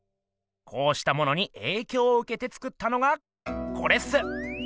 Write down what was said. こうしたものにえいきょうをうけて作ったのがコレっす。